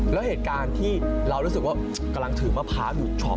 แล้วเหตุการณ์ที่เรารู้สึกว่ากำลังถือมะพร้าวอยู่ช็อก